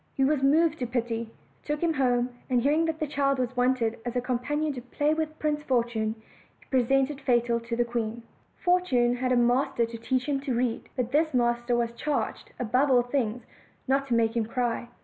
He was moved to pity, took him home, and hearing that a child was wanted as a companion to play with Prince Fortune, he presented Fatal to the queen. Fortune had a master to teach him to read; but this master was charged, above all things, not to make him cry.